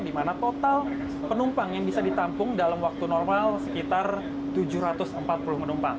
di mana total penumpang yang bisa ditampung dalam waktu normal sekitar tujuh ratus empat puluh penumpang